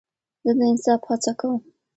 زه د انصاف هڅه کوم.